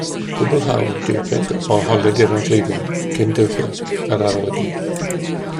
Cwblhawyd deuddeg o holiaduron cleifion cyn dyddiad yr arolygiad